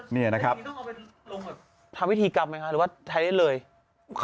นี่นะครับทำวิธีกลับไหมค่ะหรือว่าถ่ายเรียนเลย